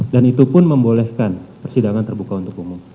dan itu pun membolehkan persidangan terbuka untuk umum